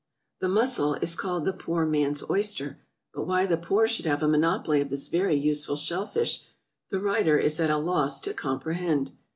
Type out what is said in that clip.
=The Mussel= is called the poor man's oyster; but why the poor should have a monopoly of this very useful shellfish, the writer is at a loss to comprehend.